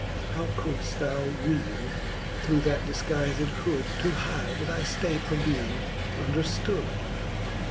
How coiilft thou weene, through that difguized hood^ To hide thy ftate from being underftood